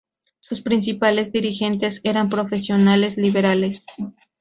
Sus principales dirigentes eran profesionales liberales.